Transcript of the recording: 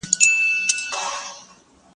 په اور کې دفنکارمخ ته شپېلۍ نیولېده